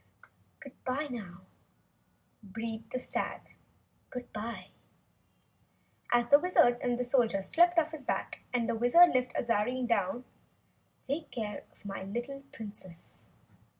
"Goodbye, now," breathed the stag, as the Wizard and Soldier slipped off his back and the Wizard lifted Azarine down. "Take care of my little Princess!"